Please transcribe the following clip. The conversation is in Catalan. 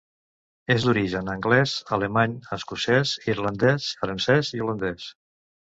És d'origen anglès, alemany, escocès, irlandès, francès i holandès.